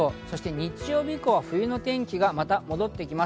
日曜日以降は冬の天気がまた戻ってきます。